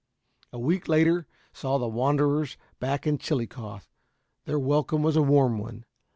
A week later saw the wanderers back in Chillicothe. Their welcome was a warm one.